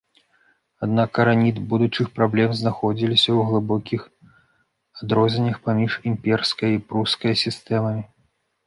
Аднак карані будучых праблем знаходзіліся ў глыбокіх адрозненнях паміж імперскае і прускае сістэмамі.